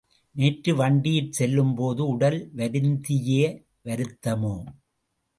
நேற்று வண்டியில் செல்லும்போது உடல் வருந்திய வருத்தமோ?